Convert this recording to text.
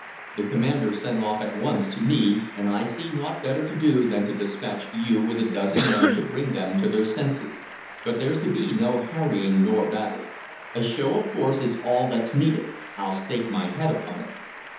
The commander sent off at once to me, and I see naught better to do than to dispatch you with a dozen men to bring them to their senses. But there 's to be no harrying nor battle. A show of force is all that 's needed, I'll stake my head upon it.